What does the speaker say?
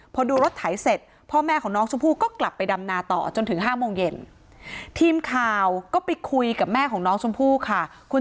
พอดูรถไถเสร็จพ่อแม่ของน้องชมพู่ก็กลับไปดำนาต่อจนถึง๕โมงเย็นทีมข่าวก็ไปคุยกับแม่ของน้องชมพู่ค่ะคุณ